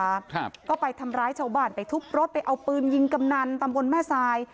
ครับก็ไปทำร้ายชาวบ้านไปทุบรถไปเอาปืนยิงกำนันตำบลแม่ทราย